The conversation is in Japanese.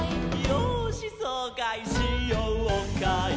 「よーしそうかいしようかい」